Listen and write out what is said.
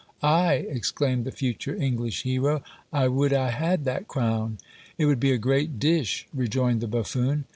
"Ay!" exclaimed the future English hero, "I would I had that crown!" "It would be a great dish," rejoined the buffoon.